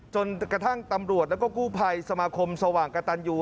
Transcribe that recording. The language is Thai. จนกระทั่งตำรวจแล้วก็กู้ภัยสมาคมสว่างกระตันยู